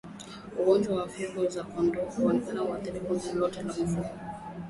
Ugonjwa wa figo za kondoo huweza kuathiri kundi lote la mifugo